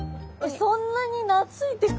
そんなに懐いてくれるの？